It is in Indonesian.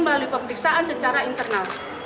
melalui pemeriksaan secara internal